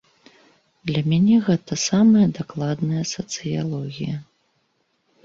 Для мяне гэта самая дакладная сацыялогія.